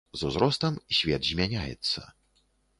З узростам свет змяняецца.